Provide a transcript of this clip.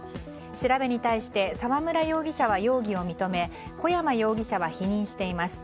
調べに対して沢村容疑者は容疑を認め小山容疑者は否認しています。